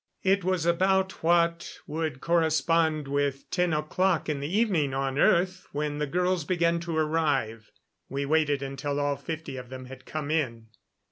It was about what would correspond with ten o'clock in the evening on earth when the girls began to arrive. We waited until all fifty of them had come in.